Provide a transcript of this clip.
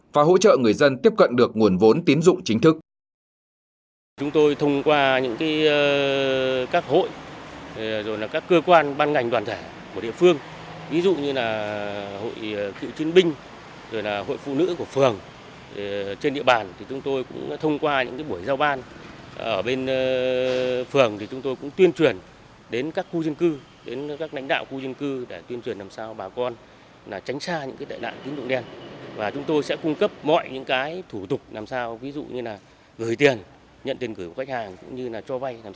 và hỗ trợ người dân tiếp cận được nguồn vốn tiến dụng chính thức